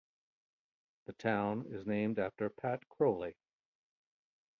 The town is named after Pat Crowley.